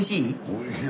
おいしい！